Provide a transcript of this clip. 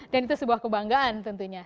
dan itu sebuah kebanggaan tentunya